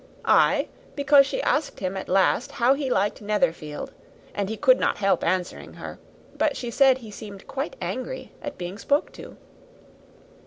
"Ay, because she asked him at last how he liked Netherfield, and he could not help answering her; but she said he seemed very angry at being spoke to."